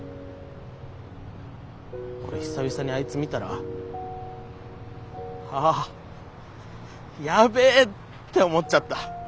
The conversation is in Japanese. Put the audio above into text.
俺久々にあいつ見たらああやべえって思っちゃった。